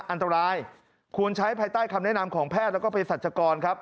อันตรายควรใช้ภายใต้คำแนะนำของแพทย์แล้วก็เพศรัชกรครับ